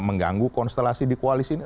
mengganggu konstelasi di koalisi